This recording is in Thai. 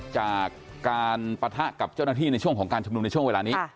จากการปะทะกับเจ้าหน้าที่ในช่วงของการชุมนุมในช่วงเวลานี้